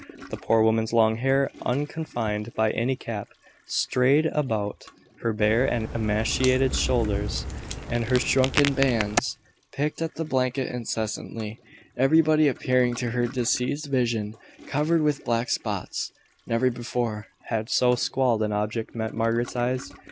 The poor woman's long hair, unconfined by any cap, strayed about her bare and emaciated shoulders, and her shrunken bands picked at the blanket incessantly, everything appearing to her diseased vision covered with black spots. Never before had so squalid an object met Margaret's eyes.